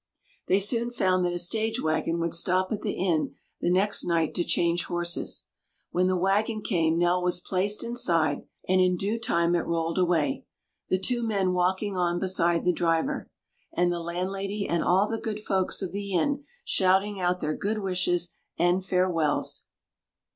They soon found that a stage wagon would stop at the inn the next night to change horses. When the wagon came Nell was placed inside, and in due time it rolled away, the two men walking on beside the driver, and the landlady and all the good folks of the inn shouting out their good wishes and farewells.